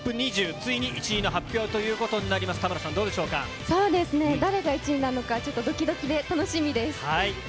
ついに１位の発表ということになります、そうですね、誰が１位なのか、ちょっとどきどきで楽しみです。